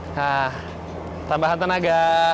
nah tambahan tenaga